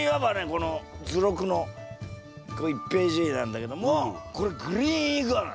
この図録の１ページ目なんだけどもこれグリーンイグアナ。